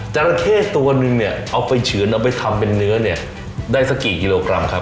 ราเข้ตัวนึงเนี่ยเอาไปเฉือนเอาไปทำเป็นเนื้อเนี่ยได้สักกี่กิโลกรัมครับ